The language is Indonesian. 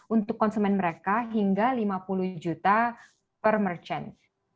untuk konsumen mereka hingga lima puluh juta per merchant